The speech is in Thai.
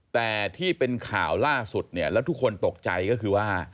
แต่ที่เป็นข่าวล่าสุดเนี่ยแล้วทุกคนตกใจก็คือว่า